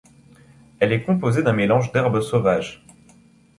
Elle est composée d'un mélange d'herbes sauvages.